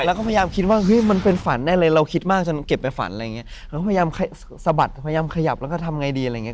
แล้วก็พยายามคิดว่าเฮ้ยมันเป็นฝันได้เลยเราคิดมากจนเก็บไปฝันอะไรอย่างเงี้ยเราก็พยายามสะบัดพยายามขยับแล้วก็ทำไงดีอะไรอย่างเง